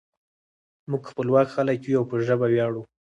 موږ خپلواک خلک یو او په ژبه ویاړو.